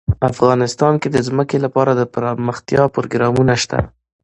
افغانستان کې د ځمکه لپاره دپرمختیا پروګرامونه شته.